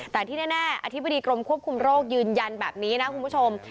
แต่ที่แน่อธิบดีกรมควบคุมโรคยืนยันแบบนี้นะคุณผู้ชม